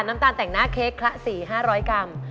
น้ำตาลแต่งหน้าเค้กละ๔๕๐๐กรัม